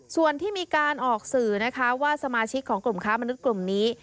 ส่วนที่มีการออกสื่อนะคะว่าสมาชิกของกลุ่มค้ามนุษย์กลุ่มนี้